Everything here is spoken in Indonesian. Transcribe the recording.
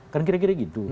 kan kira kira gitu